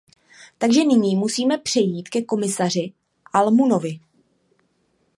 Takže nyní musíme přejít ke komisaři Almuniovi.